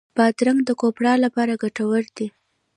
بادرنګ د کوپرا لپاره ګټور دی.